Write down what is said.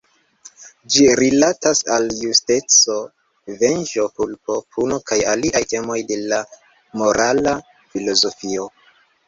Ĝi rilatas al justeco, venĝo, kulpo, puno kaj aliaj temoj de la morala filozofio.